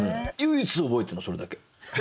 唯一覚えてるのそれだけ！